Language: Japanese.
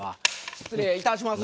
失礼いたします。